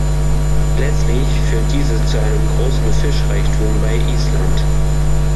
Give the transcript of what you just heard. Letztlich führt dieses zu einem großen Fischreichtum bei Island.